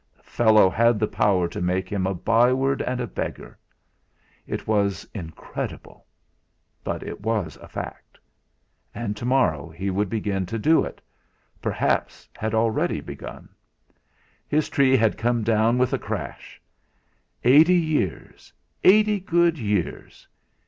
The fellow had the power to make him a byword and a beggar! It was incredible! But it was a fact. And to morrow he would begin to do it perhaps had begun already. His tree had come down with a crash! Eighty years eighty good years!